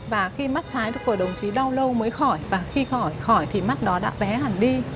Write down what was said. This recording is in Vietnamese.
và khi mắt trái của đồng chí đau lâu mới khỏi và khi khỏi khỏi thì mắc đó đã bé hẳn đi